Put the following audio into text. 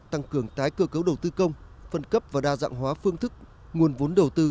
tăng cường tái cơ cấu đầu tư công phân cấp và đa dạng hóa phương thức nguồn vốn đầu tư